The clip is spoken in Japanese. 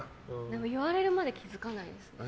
言われるまで気づかないです。